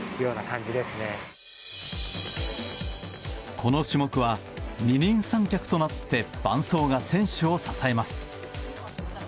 この種目は二人三脚となって伴走が選手を支えます。